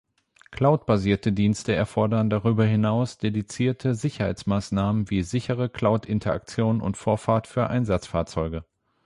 Cloudbasierte Dienste erfordern darüber hinaus dedizierte Sicherheitsmaßnahmen wie sichere Cloud-Interaktion und Vorfahrt für Einsatzfahrzeuge.